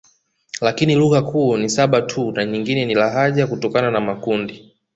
Lakini lugha kuu ni saba tu na nyingine ni lahaja kutokana na makundi